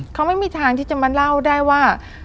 เขาไม่มีทางที่จะมาเล่าได้ว่า